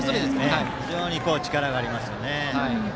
非常に力がありますね。